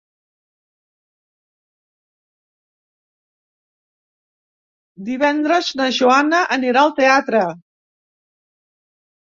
Divendres na Joana anirà al teatre.